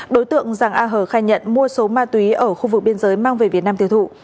đối tượng giàng a hờ khai nhận mua số ma túy ở khu vực biên giới mang về việt nam tiêu thụ